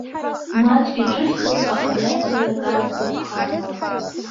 Маҷк иҿыхьҭоуп, аха ариабжьарак аасҭа иԥхарроуп.